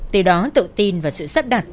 từ đó tự tin và sự sắp đặt